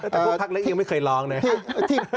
แต่พวกพักนั้นยังไม่เคยร้องเลยครับ